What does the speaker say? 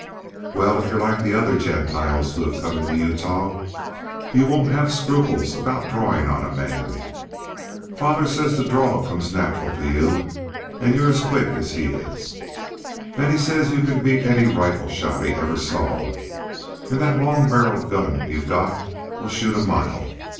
"Well, if you're like the other Gentiles who have come into Utah you won't have scruples about drawing on a man. Father says the draw comes natural to you, and you're as quick as he is. Then he says you can beat any rifle shot he ever saw, and that long barrelled gun you've got will shoot a mile.